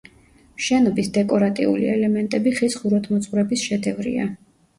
შენობის დეკორატიული ელემენტები ხის ხუროთმოძღვრების შედევრია.